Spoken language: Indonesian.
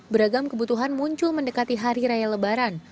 beragam kebutuhan muncul mendekati hari raya lebaran